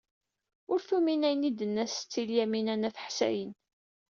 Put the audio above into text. Ur tumin ayen ay d-tenna Setti Lyamina n At Ḥsayen.